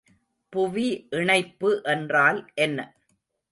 புவி இணைப்பு என்றால் என்ன?